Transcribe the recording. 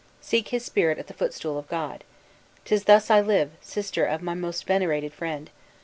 Seek his spirit at the footstool of God. 'Tis thus I live, sister of my most venerated friend!